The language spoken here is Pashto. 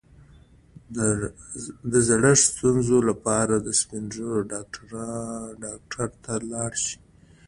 د زړښت د ستونزو لپاره د سپین ږیرو ډاکټر ته لاړ شئ